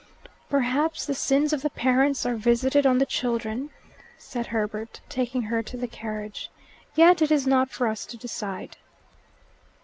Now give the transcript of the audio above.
"Perhaps the sins of the parents are visited on the children," said Herbert, taking her to the carriage. "Yet it is not for us to decide."